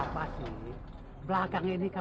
wajar dong kalau disakit sakitan